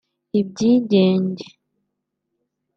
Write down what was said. ibyigenge